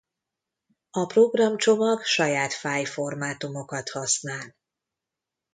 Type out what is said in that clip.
A programcsomag saját fájlformátumokat használ.